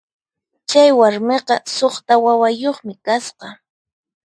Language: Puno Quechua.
Chay warmiqa suqta wawayuqmi kasqa.